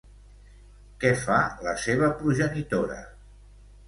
Què fa la seva progenitora?